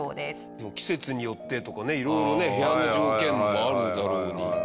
でも季節によってとかね色々ね部屋の条件もあるだろうに。